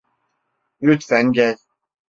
Lütfen gel.